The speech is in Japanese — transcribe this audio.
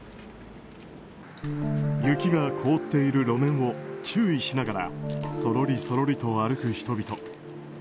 雪が凍っている路面を注意しながらそろりそろりと歩く人々。